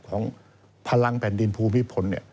ของพลังแผ่นดินภูมิพล